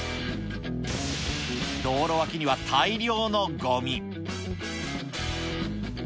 道路脇には大量のごみ。